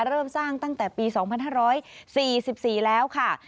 เริ่มสร้างตั้งแต่ปี๒๕๔๔แล้วค่ะ